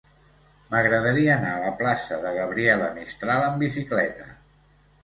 M'agradaria anar a la plaça de Gabriela Mistral amb bicicleta.